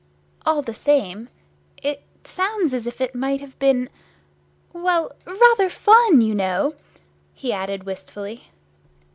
All the same, it sounds as if it might have been—well, rather fun, you know!" he added, wistfully.